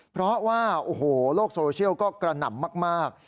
เพราะว่าโอ้โหโลกโซเชียลก็กระหน่ำมาก